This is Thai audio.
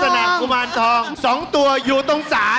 รักษณะกุมารทอง๒ตัวอยู่ตรงสาน